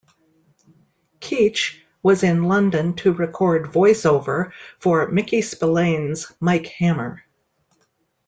Keach was in London to record voiceover for "Mickey Spillane's Mike Hammer".